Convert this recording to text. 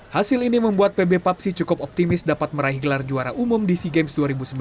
hasil ini membuat pb papsi cukup optimis dapat meraih gelar juara umum di sea games dua ribu sembilan belas